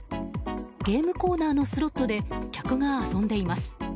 ゲームコーナーのスロットで客が遊んでいます。